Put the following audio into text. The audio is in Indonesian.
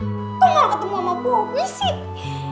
tunggal ketemu sama bobi sih